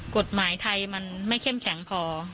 กฎหมายไทยมันไม่เข้มแข็งพอ